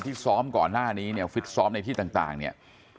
ซ้อมก่อนหน้านี้เนี่ยฟิตซ้อมในที่ต่างเนี่ย